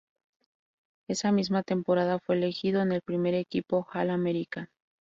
Esa misma temporada fue elegido en el primer equipo All-American.